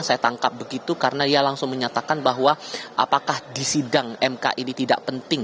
saya tangkap begitu karena ia langsung menyatakan bahwa apakah di sidang mk ini tidak penting